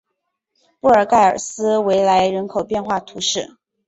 布利盖尔斯维莱人口变化图示